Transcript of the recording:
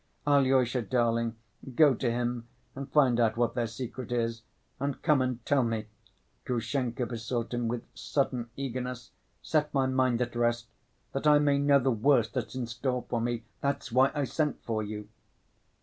Alyosha, darling, go to him and find out what their secret is and come and tell me," Grushenka besought him with sudden eagerness. "Set my mind at rest that I may know the worst that's in store for me. That's why I sent for you."